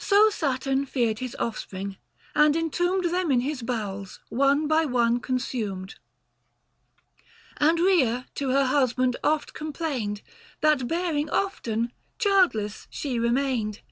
So Saturn feared his offspring, and entombed Them in his bowels, one by one consumed ; And Ehea to her husband oft complained, That bearing often, childless she remained.